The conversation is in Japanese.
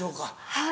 はい。